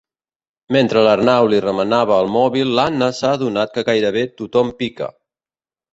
Mentre l'Arnau li remenava el mòbil l'Anna s'ha adonat que gairebé tothom pica.